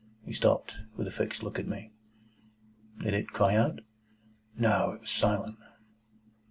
He stopped, with a fixed look at me. "Did it cry out?" "No. It was silent."